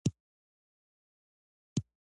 ډیر زړه ور وو او خپل کارونه یې په ډاډه زړه تر سره کول.